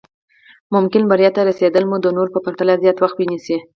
ممکن بريا ته رسېدل مو د نورو په پرتله زیات وخت ونيسي.